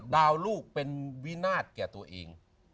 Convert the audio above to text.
ลูกเป็นวินาศแก่ตัวเอง